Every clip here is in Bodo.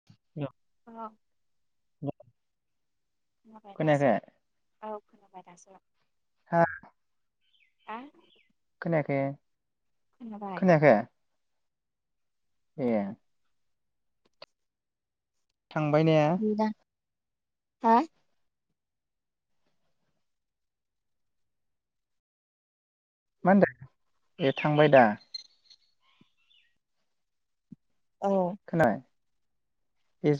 [unintelligible] अ [unintelligible] खोनाबाय खोनायाखै दासो औ खोनाबाय दासो ह हा खोनायाखै खोनायाखै? ए थांबाय ने? हा? मा होनदों ए थांबाय दा? औ खोनाबाय ए जाबाय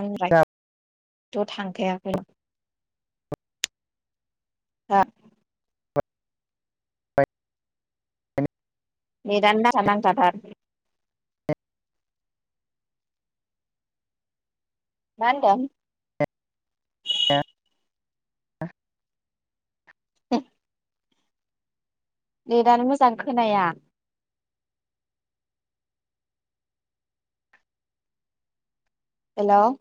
आंनिफ्रायथ' थांखायाखै [inaudible] नेटआनो नांथा नांथा थार। मा होनदों? [inaudible] [inaudible] नेटआनो मोजां खोनाया। हेल'